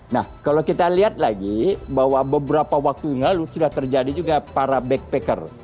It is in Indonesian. nah kalau kita lihat lagi bahwa beberapa waktu yang lalu sudah terjadi juga para backpacker